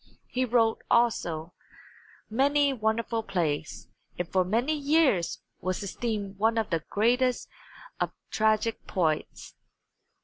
He wrote, also, many wonderful plays, and for many years was esteemed one of the greatest of tragic poets.